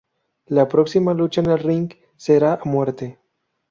La próxima lucha en el ring, será a muerte.